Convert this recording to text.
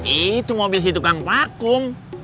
itu mobil si tukang pakung